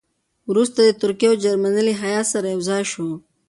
وروسته د ترکیې او جرمني له هیات سره یو ځای شو.